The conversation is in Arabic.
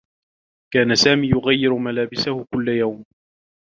كان سامي يغيّر ملابسه كلّ يوم.